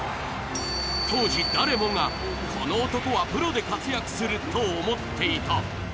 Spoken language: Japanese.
当時、誰もが、この男はプロで活躍すると思っていた。